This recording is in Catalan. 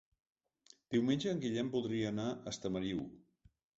Diumenge en Guillem voldria anar a Estamariu.